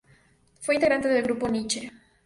Fue integrante del Grupo Niche.